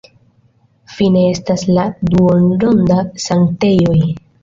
Fine estas la duonronda sanktejoj.